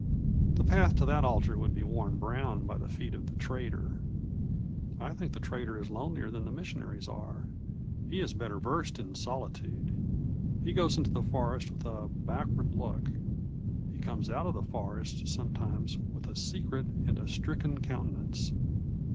The path to that altar would be worn brown by the feet of the trader. I think the trader is lonelier than the missionaries are; he is better versed in solitude. He goes into the forest with a backward look; he comes out of the forest sometimes with a secret and a stricken countenance.